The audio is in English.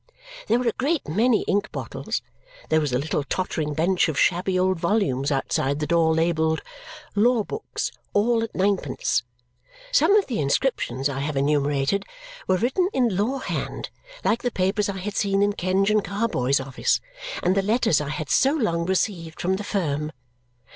There were a great many ink bottles. There was a little tottering bench of shabby old volumes outside the door, labelled "Law Books, all at 9d." Some of the inscriptions I have enumerated were written in law hand, like the papers I had seen in Kenge and Carboy's office and the letters I had so long received from the firm.